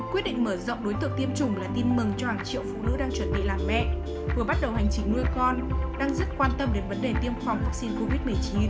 quyết định mở rộng đối tượng tiêm chủng là tin mừng cho hàng triệu phụ nữ đang chuẩn bị làm mẹ vừa bắt đầu hành trình nuôi con đang rất quan tâm đến vấn đề tiêm phòng vaccine covid một mươi chín